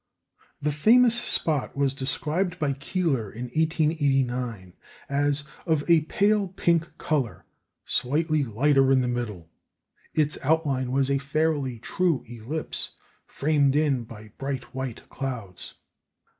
The famous spot was described by Keeler in 1889, as "of a pale pink colour, slightly lighter in the middle. Its outline was a fairly true ellipse, framed in by bright white clouds."